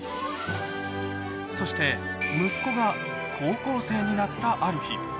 そして、息子が高校生になったある日。